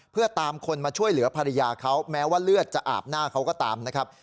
เพื่อตามคนมาช่วยเหลือภรรยาเขาแม้ว่าเลือดจะอาบหน้าเขาก็ตามนะครับ